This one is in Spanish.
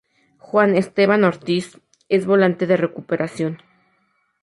Juan Esteban Ortiz, es volante de recuperación.